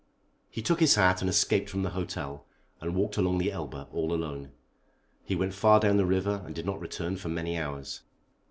He took his hat and escaped from the Hotel and walked along the Elbe all alone. He went far down the river, and did not return for many hours.